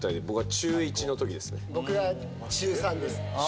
僕が中１のときですね。